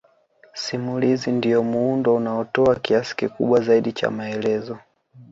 Simulizi ndiyo muundo unaotoa kiasi kikubwa zaidi cha maelezo